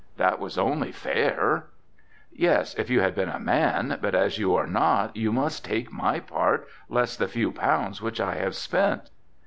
"That was only fair." "Yes, if you had been a man, but as you are not you must take my part less the few pounds which I have spent."